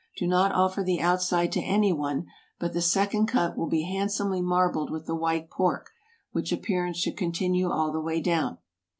Do not offer the outside to any one; but the second cut will be handsomely marbled with the white pork, which appearance should continue all the way down.